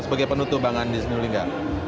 sebagai penutup bangan di sinulingga